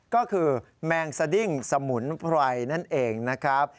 ก็คือแมงสดิ้งสมุนไพรนั่นเองนะครับ